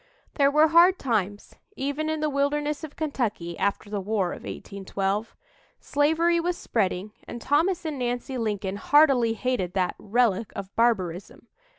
There were hard times, even in the wilderness of Kentucky, after the War of 1812. Slavery was spreading, and Thomas and Nancy Lincoln heartily hated that "relic of barbarism."